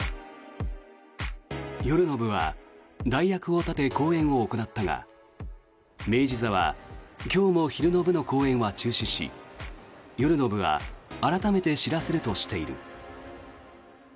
夜の部は代役を立て公演を行ったが明治座は今日も昼の部の公演は中止し夜の部は改めて知らせるとしている。